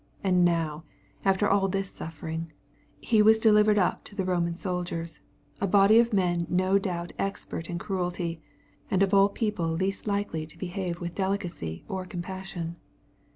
And now, after all this suffering . He was delivered up to the Boman soldiers, a body ol men no doubt expert in cruelty, and of all people least likely to behave with delicacy or compassion.